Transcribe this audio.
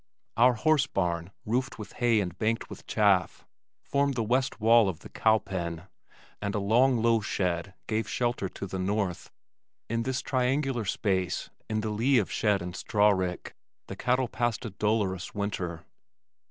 Our horse barn, roofed with hay and banked with chaff, formed the west wall of the cowpen, and a long low shed gave shelter to the north. In this triangular space, in the lee of shed and straw rick, the cattle passed a dolorous winter.